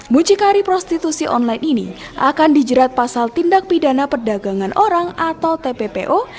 mucikari prostitusi online ini akan dijerat pasal tindak pidana perdagangan orang atau tppo